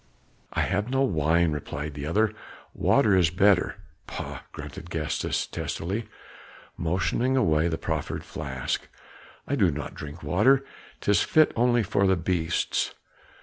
"I have no wine," replied the other; "water is better." "Pah!" grunted Gestas testily, motioning away the proffered flask. "I do not drink water; 'tis fit only for the beasts."